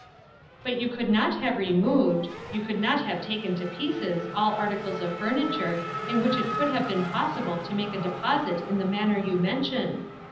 "But you could not have removed—you could not have taken to pieces all articles of furniture in which it would have been possible to make a deposit in the manner you mention.